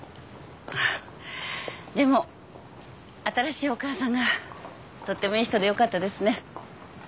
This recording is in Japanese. でも新しいお母さんがとってもいい人でよかったですね。